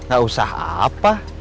gak usah apa